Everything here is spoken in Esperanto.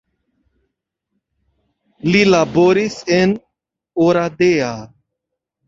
Li laboris en Oradea.